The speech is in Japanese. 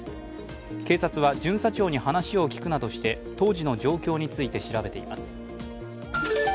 警察は巡査長に話を聞くなどして当時の状況について調べています。